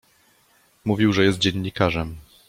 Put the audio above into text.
"Mówił, że jest dziennikarzem."